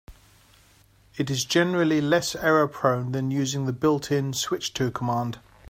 It is generally less error-prone than using the built-in "switch to" command.